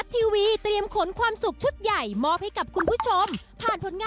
เดี๋ยวเจอปล่อยบ้านทึง